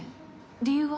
理由は？